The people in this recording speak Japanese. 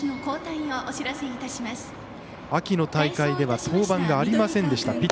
秋の大会では登板がありませんでした。